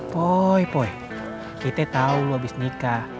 poi poi kita tau lu abis nikah